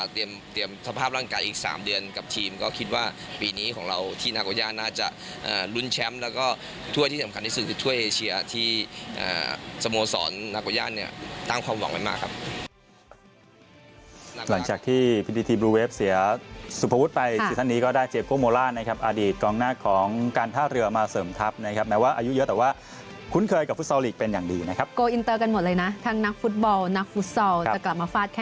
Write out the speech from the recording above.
ที่สำคัญที่สุดทั่วเอเชียที่สโมสรนักวิทยาตร์ตั้งความหวังไว้มากครับ